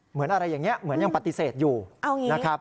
เหมือนอะไรอย่างนี้เหมือนยังปฏิเสธอยู่นะครับ